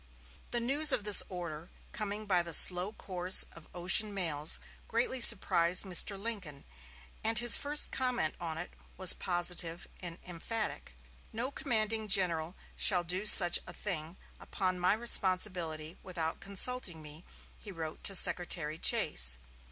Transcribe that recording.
The news of this order, coming by the slow course of ocean mails, greatly surprised Mr. Lincoln, and his first comment upon it was positive and emphatic. "No commanding general shall do such a thing, upon my responsibility, without consulting me," he wrote to Secretary Chase.